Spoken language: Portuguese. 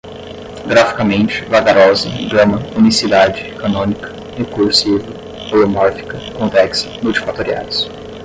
graficamente, vagarosa, gama, unicidade, canônica, recursivo, holomórfica, convexa, multifatoriais